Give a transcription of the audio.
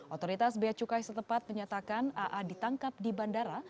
otoritas biaya cukai setepat menyatakan aa ditangkap di bandara